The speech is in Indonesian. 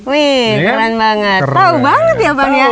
wih keren banget tahu banget ya pak